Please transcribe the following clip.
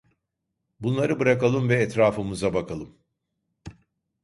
Bunları bırakalım ve etrafımıza bakalım.